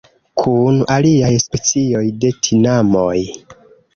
Kun aliaj specioj de tinamoj.